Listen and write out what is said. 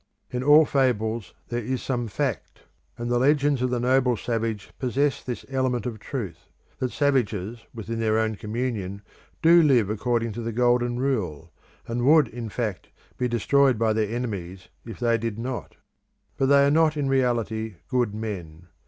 In all fables there is some fact; and the legends of the noble savage possess this element of truth, that savages within their own communion do live according to the Golden Rule, and would, in fact, be destroyed by their enemies if they did not. But they are not in reality good men.